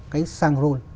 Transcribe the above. cái xăng ron chín mươi năm